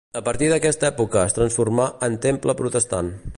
A partir d'aquesta època es transformà en temple protestant.